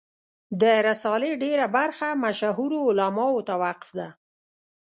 د رسالې ډېره برخه مشهورو علماوو ته وقف ده.